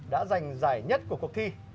đã giành giải nhất của cuộc thi